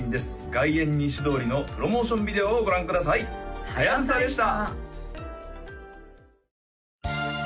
「外苑西通り」のプロモーションビデオをご覧くださいはやぶさでした！